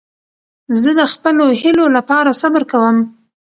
زه د خپلو هیلو له پاره صبر کوم.